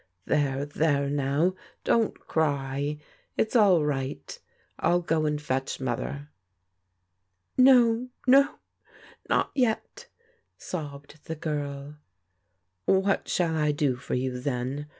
There, there now, don't cry. It's all right. I'll go and fetch Mother." " No, no ! not yet !" sobbed the girL " What shall I do for you then?